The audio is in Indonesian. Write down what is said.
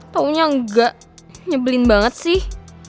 taunya nggak nyebelin banget sih